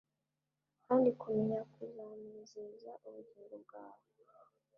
kandi kumenya kuzanezeza ubugingo bwawe